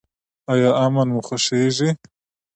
ایا امن مو خوښیږي؟